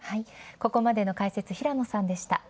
ここまでの開設、平野さんでした。